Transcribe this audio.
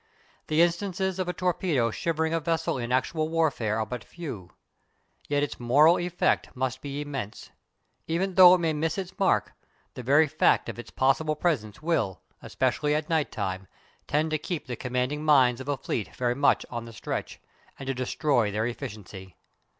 The instances of a torpedo shivering a vessel in actual warfare are but few. Yet its moral effect must be immense. Even though it may miss its mark, the very fact of its possible presence will, especially at night time, tend to keep the commanding minds of a fleet very much on the stretch, and to destroy their efficiency.